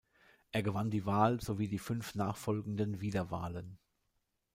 Er gewann die Wahl sowie die fünf nachfolgenden Wiederwahlen.